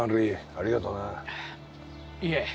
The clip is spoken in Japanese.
ありがとうないえ